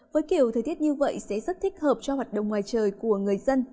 với kiểu thời tiết như vậy sẽ rất thích hợp cho hoạt động ngoài trời của người dân